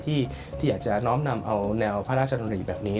ที่อยากจะน้อมนำเอาแนวพระราชดำริแบบนี้